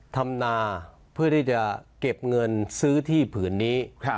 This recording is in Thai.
ทำนาเพื่อที่จะเก็บเงินซื้อที่ผืนนี้